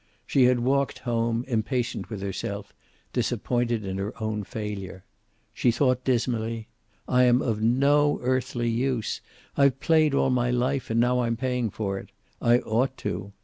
She had walked home, impatient with herself, disappointed in her own failure. She thought dismally: "I am of no earthly use. I've played all my life, and now I'm paying for it. I ought to."